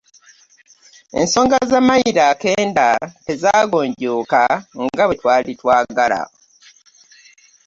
Ensonga za mayiro akenda tezaagonjooka nga bwe twali twagala.